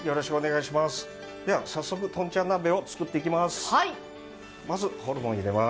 では早速とんちゃん鍋を作っていきます。